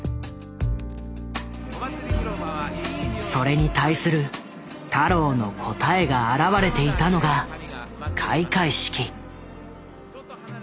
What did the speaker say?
それに対する太郎の答えが表れていたのが開会式。